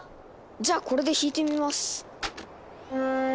じゃあこれで弾いてみます。